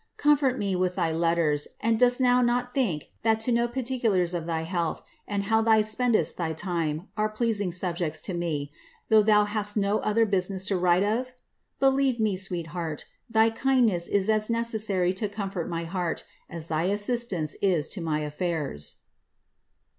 "Cotnlbrt me with thy letters; and dost thou not think that to know particu im of thy health, and how tliou spendest thy time, are pleasing subjects to me« tboQgh thoQ hast no other business to write of? * Believe me, sweetheart, thy kindness is as necessary to comfort my heart, a& tbrisfistance is to my affairs."